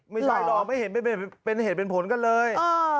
ไม่ใช่หรอกไม่เห็นเป็นเหตุเป็นผลกันเลย